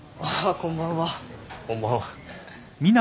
こんばんは。